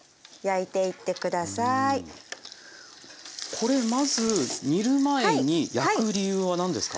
これまず煮る前に焼く理由は何ですか？